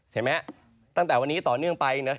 เห็นไหมตั้งแต่วันนี้ต่อเนื่องไปนะ